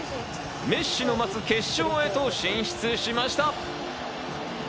メッシの待つ決勝へと進出しました。